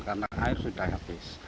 karena air sudah habis